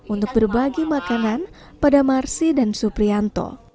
untuk berbagi makanan pada marsi dan suprianto